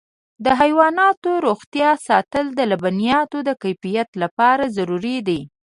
د حیواناتو روغتیا ساتل د لبنیاتو د کیفیت لپاره ضروري دي.